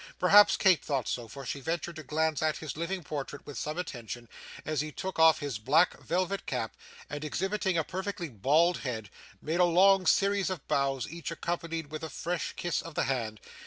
Perhaps Kate thought so, for she ventured to glance at his living portrait with some attention, as he took off his black velvet cap, and, exhibiting a perfectly bald head, made a long series of bows, each accompanied with a fresh kiss of the hand.